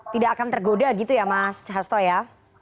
tidak akan tergoda gitu ya mas hasto ya